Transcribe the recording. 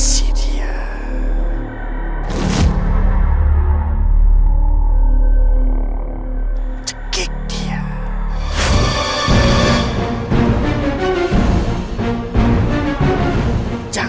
lihat deh gimana